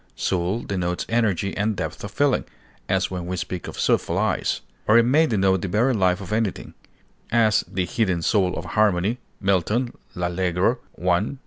Soul denotes energy and depth of feeling, as when we speak of soulful eyes; or it may denote the very life of anything; as, "the hidden soul of harmony," MILTON L'Allegro l.